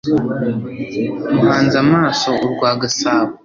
Muhanze amaso urwa Gasabo.”